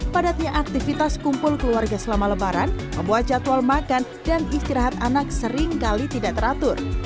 padatnya aktivitas kumpul keluarga selama lebaran membuat jadwal makan dan istirahat anak seringkali tidak teratur